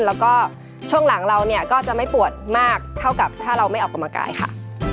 แล้วก็ช่วงหลังเราเนี่ยก็จะไม่ปวดมากเท่ากับถ้าเราไม่ออกกำลังกายค่ะ